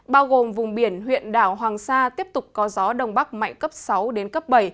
bao gồm vùng biển huyện đảo hoàng sa tiếp tục có gió đông bắc mạnh cấp sáu đến cấp bảy